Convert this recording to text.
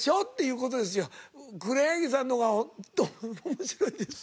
黒柳さんの方がずっと面白いです。